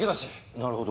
なるほど。